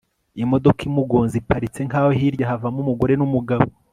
imodoka imugonze iparitse nkaho hirya havamo umugore numugabo